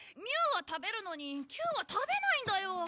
ミューは食べるのにキューは食べないんだよ。